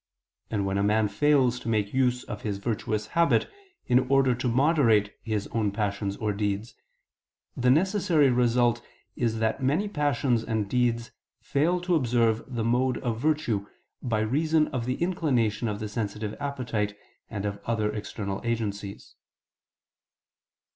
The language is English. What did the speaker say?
And when a man fails to make use of his virtuous habit in order to moderate his own passions or deeds, the necessary result is that many passions and deeds fail to observe the mode of virtue, by reason of the inclination of the sensitive appetite and of other external agencies.